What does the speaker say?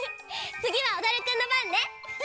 つぎはおどるくんのばんね。